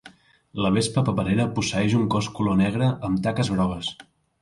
La vespa paperera posseeix un cos color negre amb taques grogues.